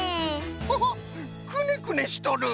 ホホくねくねしとる。